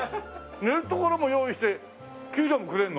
寝る所も用意して給料もくれるの？